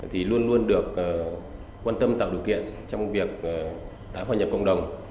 thì luôn luôn được quan tâm tạo điều kiện trong việc tái hòa nhập cộng đồng